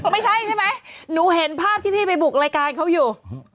ไม่ใช่ใช่ไหมหนูเห็นภาพที่พี่ไปบุกรายการเขาอยู่